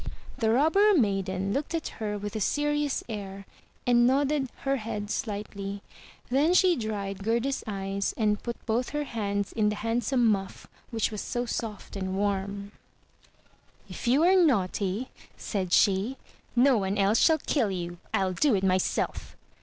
The Robber maiden looked at her with a serious air, and nodded her head sHghtly, then she dried Gerda's eyes, and put both her hands in the handsome muff which was so soft and warm. 315 MY BOOK HOUSE "If you are naughty," said she, "no one else shall kill you! ril do it myself!'